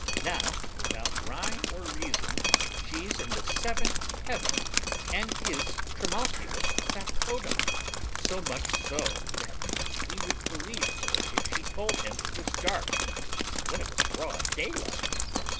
Now, without rhyme or reason, she's in the seventh heaven and is Trimalchio's factotum, so much so that he would believe her if she told him it was dark when it was broad daylight!